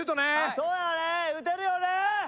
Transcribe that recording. そうだね打てるよね！